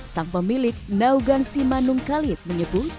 sang pemilik naugan simanung kalit menyebut